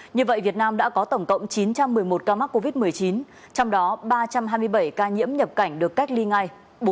như vậy việt nam đã có tổng cộng chín trăm một mươi một ca mắc covid một mươi chín trong đó ba trăm hai mươi bảy ca nhiễm nhập cảnh được cách ly ngay